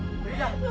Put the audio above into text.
ada apa dengan ibu